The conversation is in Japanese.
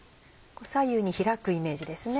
左右に開くイメージですね。